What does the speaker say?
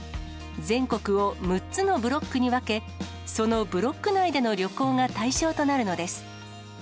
全国を６つのブロックに分け、そのブロック内での旅行が対象となるのです。